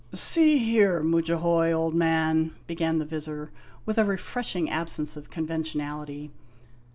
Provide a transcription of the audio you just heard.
"See here, Mudjahoy, old man "began the Vizir, with a re freshing absence of conventionality.